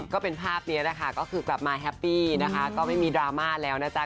ก็เป็นภาพนี้แหละค่ะก็คือกลับมาแฮปปี้นะคะก็ไม่มีดราม่าแล้วนะจ๊ะ